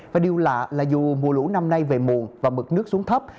và điều lạ là dù mùa lũ năm nay về muộn và mực nước xuống thấp